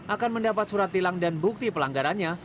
akan mendapat surat tilang dan bukti pelanggarannya